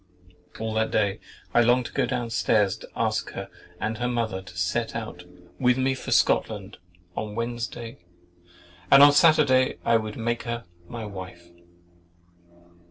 — All that day I longed to go down stairs to ask her and her mother to set out with me for Scotland on Wednesday, and on Saturday I would make her my wife.